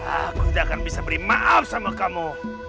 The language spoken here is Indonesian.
aku tidak akan bisa beri maaf sama kamu